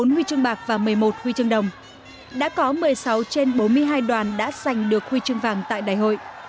bốn huy chương bạc và một mươi một huy chương đồng đã có một mươi sáu trên bốn mươi hai đoàn đã giành được huy chương vàng tại đại hội